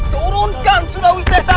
turunkan surawi sesa